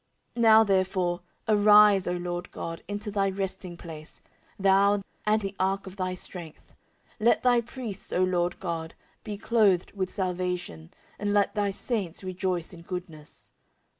14:006:041 Now therefore arise, O LORD God, into thy resting place, thou, and the ark of thy strength: let thy priests, O LORD God, be clothed with salvation, and let thy saints rejoice in goodness.